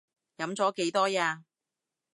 飲咗幾多呀？